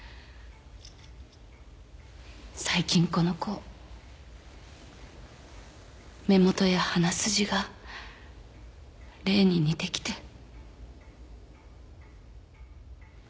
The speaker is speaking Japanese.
最近この子目元や鼻筋がレイに似てきて。